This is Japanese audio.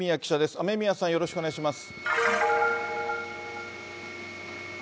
雨宮さん、よろしくお願いします。